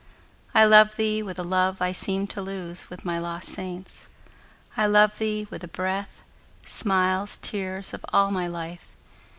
I love thee with a love I seemed to lose With my lost saints,—I love thee with the breath, Smiles, tears, of all my life!